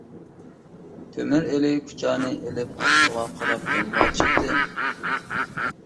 تۆمۈر ئېلى كۇچانى ئېلىپ ئاقسۇغا قاراپ يولغا چىقتى.